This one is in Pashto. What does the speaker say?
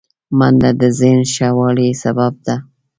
منډه د ذهن ښه والي سبب ده